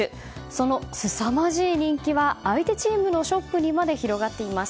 そのすさまじい人気は相手チームのショップにまで広がっています。